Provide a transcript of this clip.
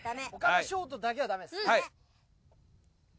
ショートだけはダメです。